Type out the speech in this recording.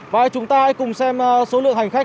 và chúng ta hãy cùng xem số lượng hành khách